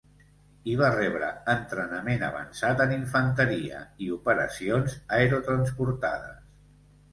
Hi va rebre entrenament avançat en infanteria i operacions aerotransportades.